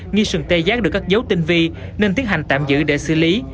nghi sừng tê giác được cất dấu tinh vi nên tiến hành tạm giữ để xử lý